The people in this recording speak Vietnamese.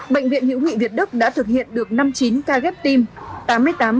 bệnh viện hữu nghị việt đức đã thực hiện được năm mươi chín ca ghép tim